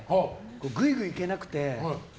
グイグイいけなくて。